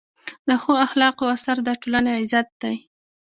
د ښو اخلاقو اثر د ټولنې عزت دی.